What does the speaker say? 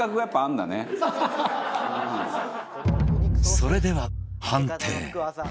それでは判定